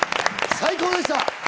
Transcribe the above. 最高でした！